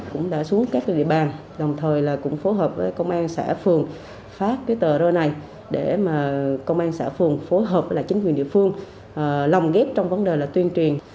cũng đã xuống các địa bàn đồng thời là cũng phối hợp với công an xã phường phát cái tờ rơi này để mà công an xã phường phối hợp với chính quyền địa phương lồng ghép trong vấn đề là tuyên truyền